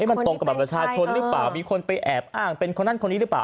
มันตรงกับบัตรประชาชนหรือเปล่ามีคนไปแอบอ้างเป็นคนนั้นคนนี้หรือเปล่า